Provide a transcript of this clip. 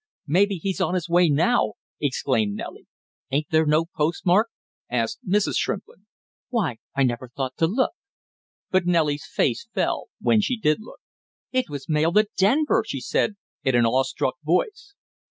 Maybe he's on his way now!" exclaimed Nellie. "Ain't there no postmark?" asked Mrs. Shrimplin. "Why, I never thought to look!" But Nellie's face fell when she did look. "It was mailed at Denver!" she said, in an awe struck voice.